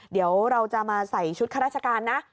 เดี๋ยวเราจะมาใส่ชุดข้าราชการนะ